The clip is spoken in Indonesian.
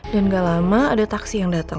dan gak lama ada taksi yang datang